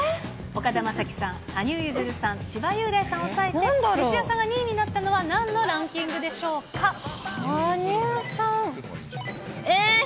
岡田将生さん、羽生結弦さん、千葉雄大さんを抑えて吉沢さんが２位になったのはなんのランキン羽生さん、えー。